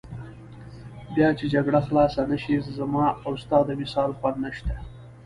بیا چې جګړه خلاصه نه شي، زما او ستا د وصال خوند نشته.